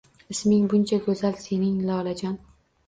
isming buncha goʼzal sening, lolajon